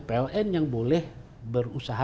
pln yang boleh berusaha